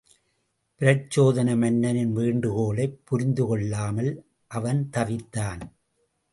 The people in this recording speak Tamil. பிரச்சோதன மன்னனின் வேண்டுகோளைப் புரிந்துகொள்ளாமல் அவன் தவித்தான்.